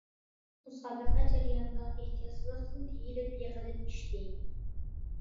مۇسابىقە جەريانىدا ئېھتىياتسىزلىقتىن تېيىلىپ يىقىلىپ چۈشتى.